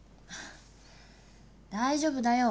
大丈夫だよ。